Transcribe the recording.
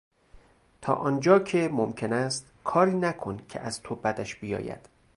تا آنجا که ممکن است کاری نکن که از تو بدش بیاید.